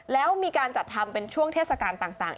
แล้วมีการจัดทำเป็นช่วงเทศกาลต่าง